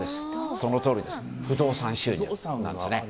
そのとおり不動産収入ですね。